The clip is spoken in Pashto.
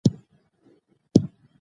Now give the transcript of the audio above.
زه هڅه کوم چې د شپې ارام چاپېریال ولرم.